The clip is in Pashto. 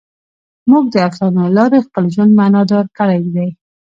موږ د افسانو له لارې خپل ژوند معنیدار کړی دی.